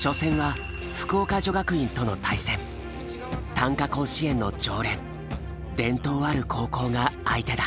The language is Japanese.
短歌甲子園の常連伝統ある高校が相手だ。